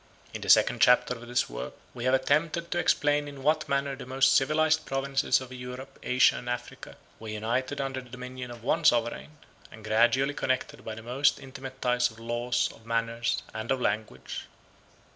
In the second chapter of this work we have attempted to explain in what manner the most civilized provinces of Europe, Asia, and Africa were united under the dominion of one sovereign, and gradually connected by the most intimate ties of laws, of manners, and of language.